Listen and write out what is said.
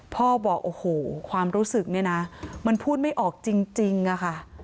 พ่อบอกโอ้โหความรู้สึกเนี่ยนะมันพูดไม่ออกจริงอะค่ะ